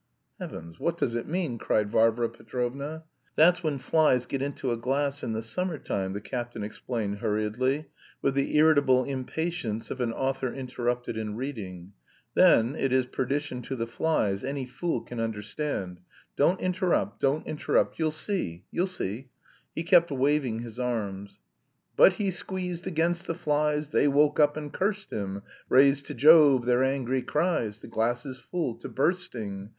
"Heavens! What does it mean?" cried Varvara Petrovna. "That's when flies get into a glass in the summer time," the captain explained hurriedly with the irritable impatience of an author interrupted in reading. "Then it is perdition to the flies, any fool can understand. Don't interrupt, don't interrupt. You'll see, you'll see...." He kept waving his arms. "But he squeezed against the flies, They woke up and cursed him, Raised to Jove their angry cries; 'The glass is full to bursting!'